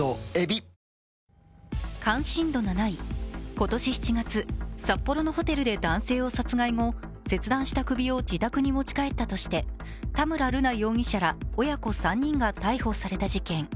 今年７月、札幌のホテルで男性を殺害後、切断した首を自宅に持ち帰ったとして田村瑠奈容疑者ら親子３人が逮捕された事件。